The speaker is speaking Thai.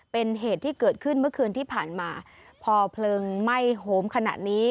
เป็นเหตุที่เกิดขึ้นเมื่อคืนที่ผ่านมาพอเพลิงไหม้โหมขนาดนี้